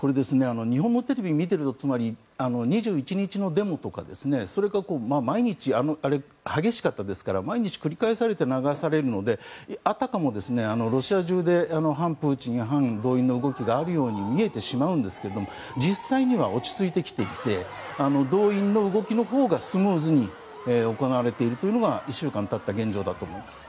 日本のテレビを見ていると２１日のデモとか激しかったですから毎日繰り返されて流されるのであたかも、ロシア中で反プーチン、反動員の動きがあるように見えてしまうんですが実際には落ち着いてきていて動員の動きのほうがスムーズに行われているというのが１週間経った現状だと思います。